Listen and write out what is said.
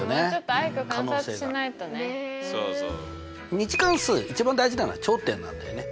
２次関数一番大事なのは頂点なんだよね。